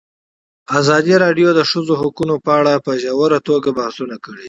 ازادي راډیو د د ښځو حقونه په اړه په ژوره توګه بحثونه کړي.